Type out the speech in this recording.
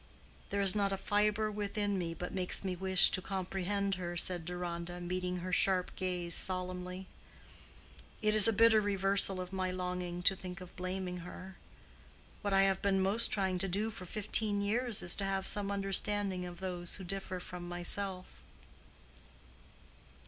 "There is not a fibre within me but makes me wish to comprehend her," said Deronda, meeting her sharp gaze solemnly. "It is a bitter reversal of my longing to think of blaming her. What I have been most trying to do for fifteen years is to have some understanding of those who differ from myself."